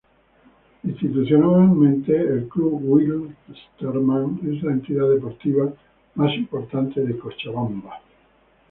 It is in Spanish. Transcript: Institucionalmente, el Club Wilstermann es la entidad deportiva más importante de Cochabamba.